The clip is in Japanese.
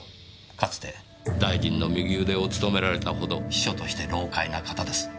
かつて大臣の右腕を務められたほど秘書として老獪な方です。